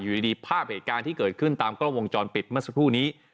อยู่ดีภาพเหตุการณ์ที่เกิดขึ้นตามกล้องวงจรปิดเมื่อสักครู่นี้